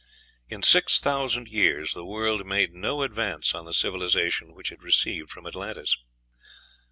In six thousand years the world made no advance on the civilization which it received from Atlantis.